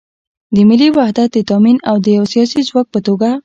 د ملي وحدت د تامین او د یو سیاسي ځواک په توګه